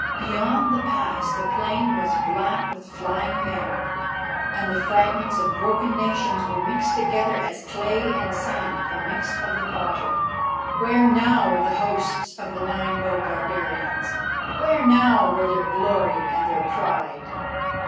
Beyond the pass the plain was black with flying men, and the fragments of the broken nations were mixed together as clay and sand are mixed of the potter. Where now were the hosts of the Nine bow barbarians? Where now were their glory and their pride?